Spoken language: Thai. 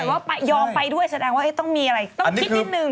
แต่ว่ายอมไปด้วยแสดงว่าต้องมีอะไรต้องคิดนิดนึง